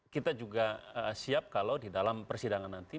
kita juga siap kalau di dalam persidangan nanti